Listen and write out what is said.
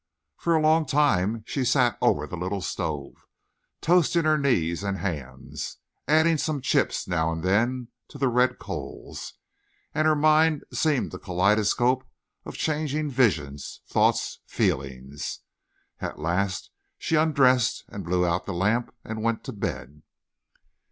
For a long time she sat over the little stove, toasting her knees and hands, adding some chips now and then to the red coals. And her mind seemed a kaleidoscope of changing visions, thoughts, feelings. At last she undressed and blew out the lamp and went to bed.